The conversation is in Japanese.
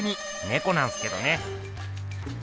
ねこなんすけどね。